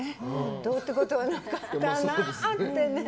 どうってことはなかったなってね。